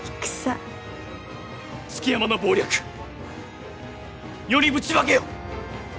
築山の謀略世にぶちまけよ！